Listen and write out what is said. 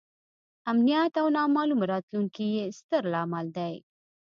امنیت او نامعلومه راتلونکې یې ستر لامل دی.